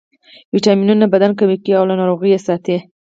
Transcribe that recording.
ویټامینونه بدن قوي کوي او له ناروغیو یې ساتي